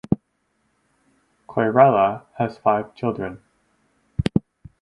Koirala has five children.